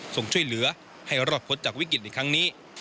ส่งช่วยเหลือให้รอดพ้นจากวิกฤตในครั้งนี้